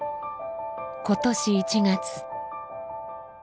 今年１月。